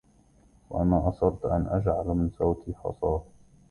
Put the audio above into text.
وأنا آثرت أن أجعل من صوتي حصاة